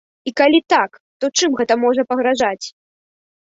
І калі так, то чым гэта можа пагражаць?